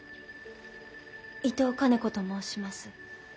伊藤兼子と申します。